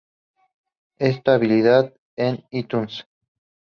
Está habilitado en iTunes.